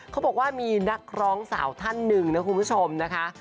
เขาบอกว่ามีนักร้องสาวท่านหนึ่งนะคุณผู้ชมนะคะ